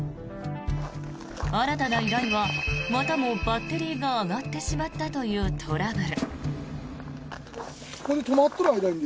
新たな依頼はまたもバッテリーが上がってしまったというトラブル。